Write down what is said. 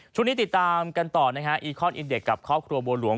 ติดตามกันต่อนะฮะอีคอนอินเด็กกับครอบครัวบัวหลวง